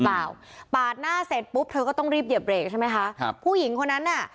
เปล่าปาดหน้าเสร็จปุ๊บเธอก็ต้องรีบเหยียบเรกใช่ไหมคะครับผู้หญิงคนนั้นน่ะ